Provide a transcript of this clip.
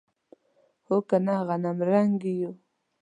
هو کنه غنمرنګي یو.